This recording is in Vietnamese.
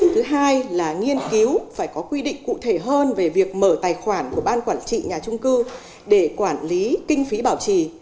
thứ hai là nghiên cứu phải có quy định cụ thể hơn về việc mở tài khoản của ban quản trị nhà trung cư để quản lý kinh phí bảo trì